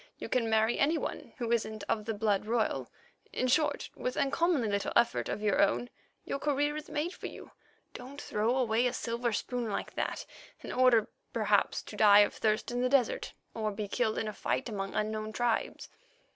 You can marry any one who isn't of the blood royal; in short, with uncommonly little effort of your own, your career is made for you. Don't throw away a silver spoon like that in order, perhaps, to die of thirst in the desert or be killed in a fight among unknown tribes."